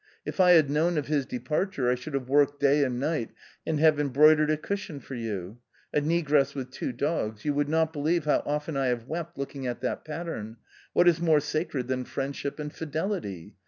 If I had known of his departure, I should have worked day and night and have embroidered a cushion for you: a negress with two dogs. You would not believe how often I have wept looking at that pattern ; what is more sacred than friendship and fidelity